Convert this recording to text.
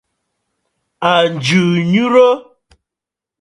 À jɨ nyurə.